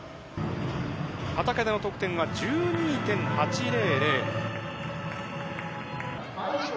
畠田の得点は１２．８００。